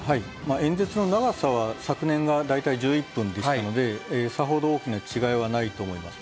演説の長さは昨年が大体１１分でしたので、さほど大きな違いはないと思います。